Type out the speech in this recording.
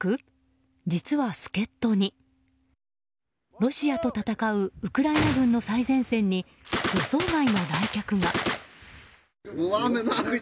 ロシアと戦うウクライナ軍の最前線に予想外の来客が。